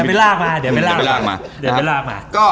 เดี๋ยวไปลากมา